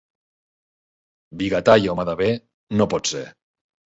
Vigatà i home de bé, no pot ser.